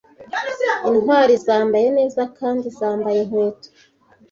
intwali zambaye neza kandi zambaye inkweto